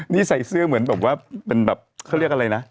นี่ใส่เสื้อเหมือนแบบว่าเป็นแบบเขาเรียกอะไรนะ